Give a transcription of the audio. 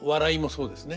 そうですね。